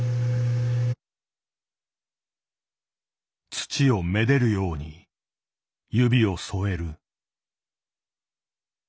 土をめでるように指を添える。